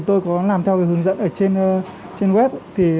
tôi có làm theo hướng dẫn trên web